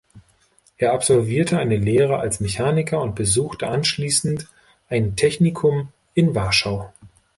Er absolvierte eine Lehre als Mechaniker und besuchte anschließend ein Technikum in Warschau.